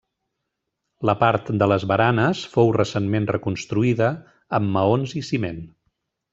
La part de les baranes fou recentment reconstruïda amb maons i ciment.